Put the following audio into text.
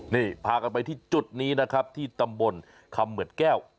นี่พากันไปที่จุดนี้นะครับที่ตำบลคำเหมือนแก้ว